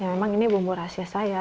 memang ini bumbu rahasia saya